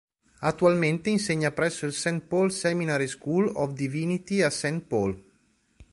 Attualmente insegna presso il Saint Paul Seminary School of Divinity a Saint Paul.